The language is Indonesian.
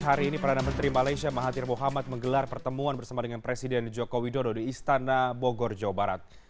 hari ini perdana menteri malaysia mahathir mohamad menggelar pertemuan bersama dengan presiden joko widodo di istana bogor jawa barat